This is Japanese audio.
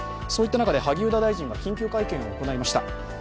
そういった中で萩生田大臣が緊急会見を行いました。